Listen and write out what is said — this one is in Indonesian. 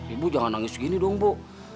ibu jangan nangis gini dong bu